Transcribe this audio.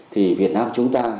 thì việt nam chúng ta